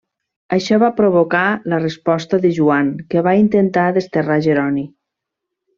Això va provocar la resposta de Joan, que va intentar desterrar Jeroni.